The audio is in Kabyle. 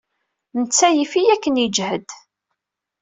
Netta yif-iyi akken yejhed.